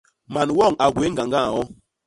Man woñ a gwéé ñgañga ñño.